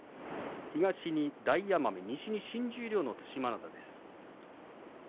東に大奄美西に新十両の對馬洋です。